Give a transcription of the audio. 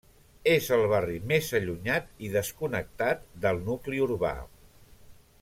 És el barri més allunyat i desconnectat del nucli urbà.